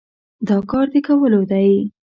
دا کار د کولو دی؟